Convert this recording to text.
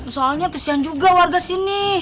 soalnya kesian juga warga sini